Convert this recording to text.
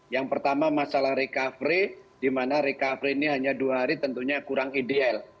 yang pertama masalah recovery di mana recovery ini hanya dua hari tentunya kurang ideal